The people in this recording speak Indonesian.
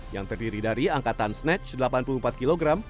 yang terdiri dari angkatan snatch delapan puluh empat kg